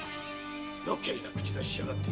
〔余計な口出ししやがって。